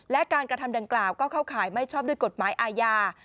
และการกระทำดังกล่าวก็เข้าข่ายไม่ชอบด้วยกฎหมายอาญา